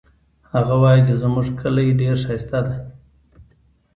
هغه وایي چې زموږ کلی ډېر ښایسته ده